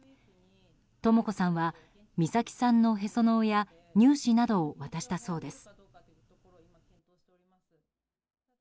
とも子さんは美咲さんのへその緒や乳歯などを渡したそうです。